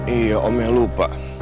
iya omnya lupa